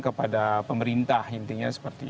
kepada pemerintah intinya seperti